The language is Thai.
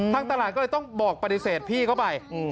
ตลาดก็เลยต้องบอกปฏิเสธพี่เข้าไป